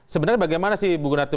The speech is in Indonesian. sebenarnya bagaimana sih bu gunati